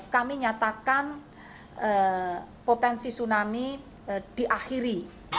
kami nyatakan potensi tsunami diakhiri